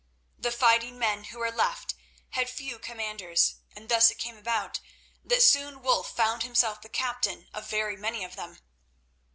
The fighting men who were left had few commanders, and thus it came about that soon Wulf found himself the captain of very many of them.